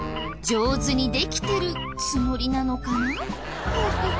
上手にできてるつもりなのかな？